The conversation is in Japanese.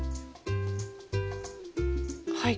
はい。